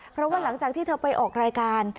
เพราะว่าหลังจากที่เธอไปออกรายการ